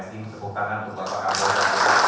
tepuk tangan untuk pak kapolda